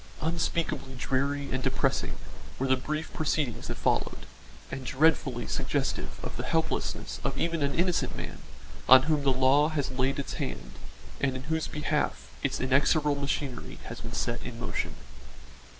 Unspeakably dreary and depressing were the brief proceedings that followed, and dreadfully suggestive of the helplessness of even an innocent man on whom the law has laid its hand and in whose behalf its inexorable machinery has been set in motion.